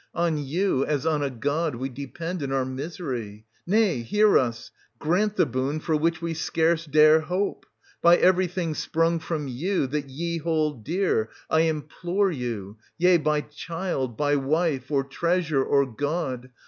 On you, as on a god, we depend in our misery. Nay, hear us ! grant the boon for which we scarce dare 250 hope 1 By everything sprung from you that ye hold dear, I implore you, yea, by child — by wife, or treasure, or god